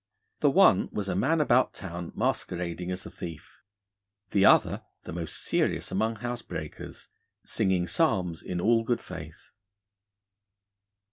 The one was a man about town masquerading as a thief; the other the most serious among housebreakers, singing psalms in all good faith.